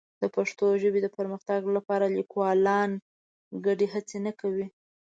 د پښتو ژبې د پرمختګ لپاره لیکوالان ګډې هڅې نه کوي.